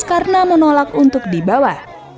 karena menolak untuk dibawa